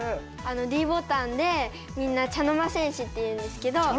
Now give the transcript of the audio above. Ｄボタンでみんな茶の間戦士っていうんですけど。